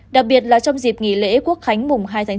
đặc biệt là trong dịp nghỉ lễ quốc khánh mùng hai tháng chín